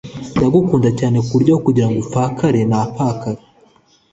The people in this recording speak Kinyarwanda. ndagukunda cyane kuburyo aho kugira ngo upfakare napakara